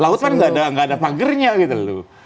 laut kan nggak ada pagernya gitu loh